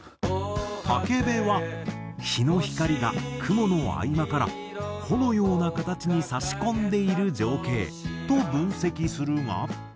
武部は日の光が雲の合間から帆のような形に差し込んでいる情景と分析するが。